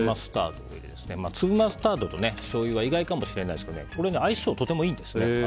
粒マスタードとしょうゆは意外かもしれないですが相性はとてもいいんです。